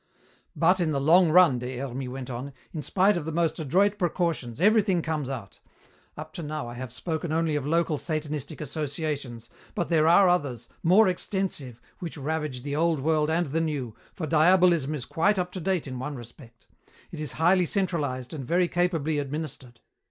"But in the long run," Des Hermies went on, "in spite of the most adroit precautions, everything comes out. Up to now I have spoken only of local Satanistic associations, but there are others, more extensive, which ravage the old world and the new, for Diabolism is quite up to date in one respect. It is highly centralized and very capably administered.